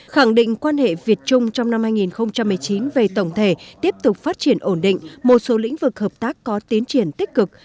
khẳng định quan hệ việt trung trong năm hai nghìn một mươi chín về tổng thể tiếp tục phát triển ổn định một số lĩnh vực hợp tác có tiến triển tích cực